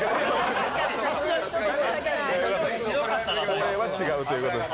これは違うということで。